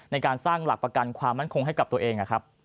ในการสร้างหลักประกันความมั่นคงให้กับตัวเอง